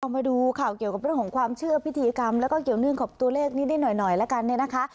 มาดูข่าวเกี่ยวกับเรื่องของความเชื่อพิธีกรรมแล้วก็เกี่ยวเนื่องกับตัวเลขนิดหน่อยละกันเนี่ยนะคะ